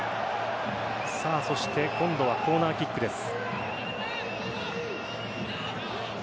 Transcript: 今度はコーナーキックです。